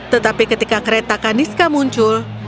tetapi ketika kereta kaniska muncul